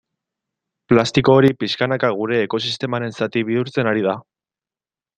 Plastiko hori pixkanaka gure ekosistemaren zati bihurtzen ari da.